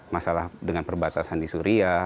masalah dengan perbatasan di suria